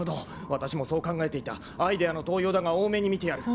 私もそう考えていたアイデアの盗用だが大目に見てやる。